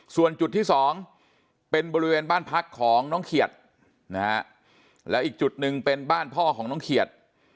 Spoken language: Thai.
ส่วนจุดที่๒เป็นบริเวณบ้านพักของน้องเขียดนะฮะแล้วอีกจุดหนึ่งเป็นบ้านพ่อของน้องเขียด